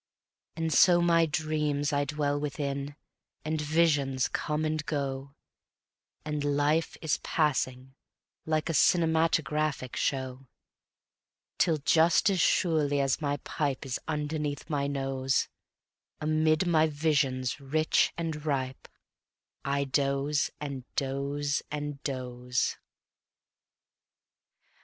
And so my dreams I dwell within, And visions come and go, And life is passing like a Cin Ematographic Show; Till just as surely as my pipe Is underneath my nose, Amid my visions rich and ripe I doze and doze and doze.